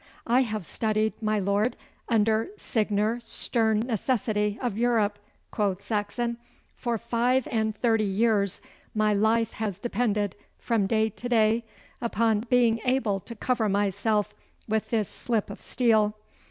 'I have studied, my lord, under Signer Stern Necessity of Europe,' quoth Saxon. 'For five and thirty years my life has depended from day to day upon being able to cover myself with this slip of steel.